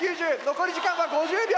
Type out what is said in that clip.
残り時間は５０秒。